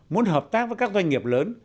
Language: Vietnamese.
muốn hợp tác với các doanh nghiệp lớn